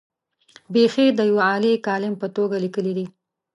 بېخي د یوه عالي کالم په توګه لیکلي دي.